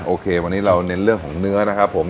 โอเควันนี้เราเน้นเรื่องของเนื้อนะครับผม